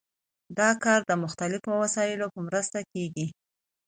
دا کار د مختلفو وسایلو په مرسته کیږي.